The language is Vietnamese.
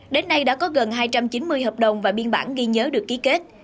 đến nay đã có gần hai trăm chín mươi hợp đồng và biên bản ghi nhớ được ký kết